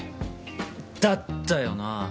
だったよな？